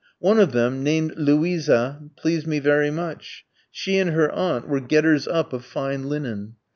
One of them, named Luisa, pleased me very much. She and her aunt were getters up of fine linen.